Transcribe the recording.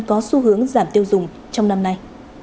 có xu hướng giảm tiêu dùng trong năm nay